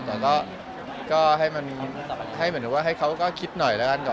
ก็ให้เขาก็คิดหน่อยก่อนทำอะไรอย่างนี้ครับประมาณนั้น